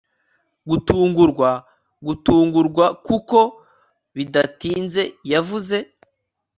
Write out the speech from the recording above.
gutungurwa, gutungurwa, kuko bidatinze yavuze